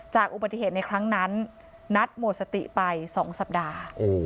อุบัติเหตุในครั้งนั้นนัทหมดสติไป๒สัปดาห์